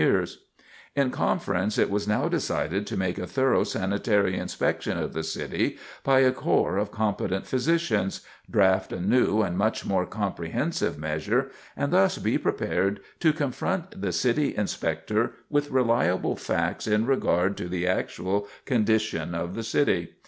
[Sidenote: Sanitary Inspection of New York] In conference it was now decided to make a thorough sanitary inspection of the city by a corps of competent physicians, draft a new and much more comprehensive measure, and thus be prepared to confront the City Inspector with reliable facts in regard to the actual condition of the city.